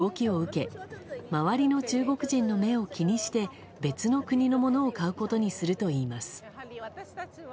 化粧品の日本製品ボイコットの動きを受け周りの中国人を気にして別の国のものを買うことにするといいます。